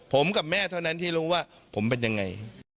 ผมกับแม่เท่านั้นที่รู้ว่าผมเป็นยังไง